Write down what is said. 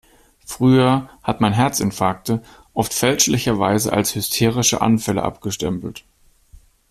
Früher hat man Herzinfarkte oft fälschlicherweise als hysterische Anfälle abgestempelt.